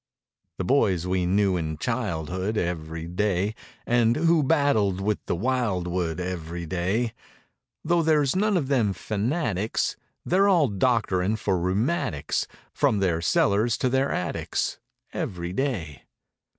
The boys we knew in childhood Every day; And who battled with the wildwood Every day; Though there's none of them fanatics, They're all doctoring for rheumatics From their cellars to their attics Every day.